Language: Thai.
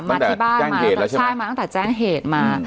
มาที่บ้านมาใช่มาตั้งแต่แจ้งเหตุมา